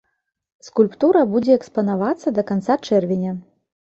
Скульптура будзе экспанавацца да канца чэрвеня.